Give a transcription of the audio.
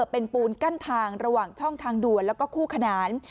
เป็นปูนกั้นทางระหว่างช่องทางด่วนแล้วก็คู่ขนาน